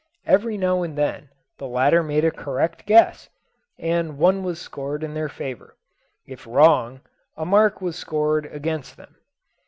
Every now and then the latter made a correct guess, and one was scored in their favour if wrong, a mark was scored against them.